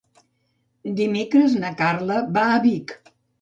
Dimecres na Carla va a Vic.